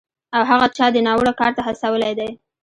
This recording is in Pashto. او هغه چا دې ناوړه کار ته هڅولی دی